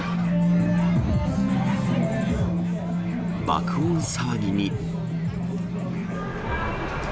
爆音騒ぎに。